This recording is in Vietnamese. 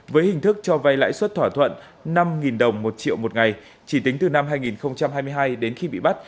với hình thức cho vay lãi suất thỏa thuận năm đồng một triệu một ngày chỉ tính từ năm hai nghìn hai mươi hai đến khi bị bắt